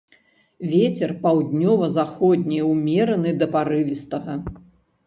Вецер паўднёва-заходні ўмераны да парывістага.